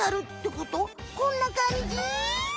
こんなかんじ？